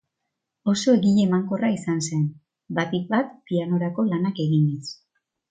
Oso egile emankorra izan zen, batik bat pianorako lanak eginez.